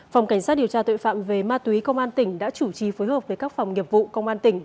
phòng cảnh sát điều tra tội phạm về ma túy công an tỉnh đã chủ trì phối hợp với các phòng nghiệp vụ công an tỉnh